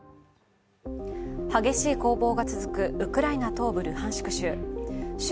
激しい攻防が続くウクライナ東部ルハンシク州。